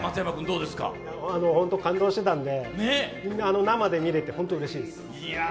本当に感動してたんで、生で見れて本当にうれしいです。